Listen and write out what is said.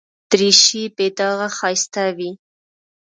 دریشي بې داغه ښایسته وي.